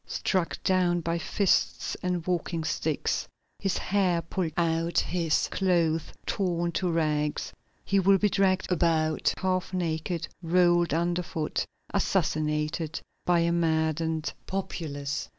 Struck down by fists and walking sticks, his hair pulled out, his clothes torn to rags, he will be dragged about half naked, rolled underfoot, assassinated by a maddened populace.